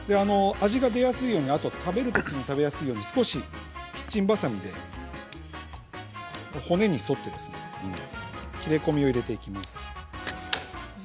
味が出やすいように食べるときに食べやすいように少しキッチンばさみで骨に沿って切れ込みを入れていきます。